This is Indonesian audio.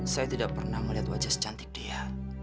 saya tidak pernah melihat wajah secantik dia